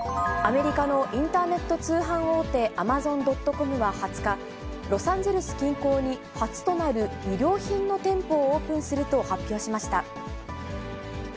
アメリカのインターネット通販大手、アマゾン・ドット・コムは２０日、ロサンゼルス近郊に初となる衣料品の店舗をオープンすると発表しました。